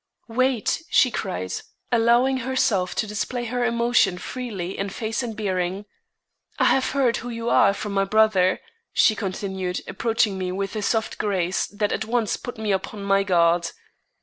"Wait," she cried, allowing herself to display her emotion freely in face and bearing. "I have heard who you are from my brother," she continued, approaching me with a soft grace that at once put me upon my guard.